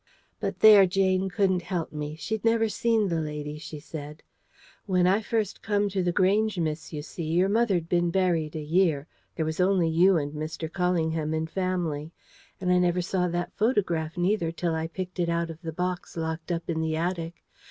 But there Jane couldn't help me. She'd never seen the lady, she said. "When first I come to The Grange, miss, you see, your mother'd been buried a year; there was only you and Mr. Callingham in family. And I never saw that photograph, neither, till I picked it out of the box locked up in the attic.